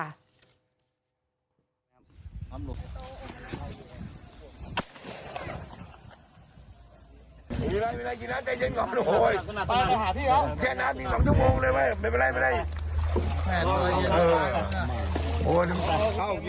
อำลูก